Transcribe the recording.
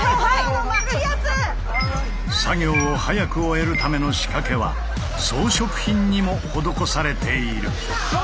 作業を早く終えるための仕掛けは装飾品にも施されている。